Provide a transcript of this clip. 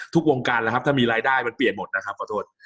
ทุกวงการนะครับถ้ามีรายได้มันเปลี่ยนหมดนะครับขอโทษ